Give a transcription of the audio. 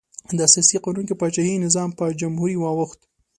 د اساسي قانون کې پاچاهي نظام په جمهوري واوښت.